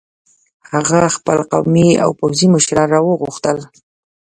هغه خپل قومي او پوځي مشران را وغوښتل.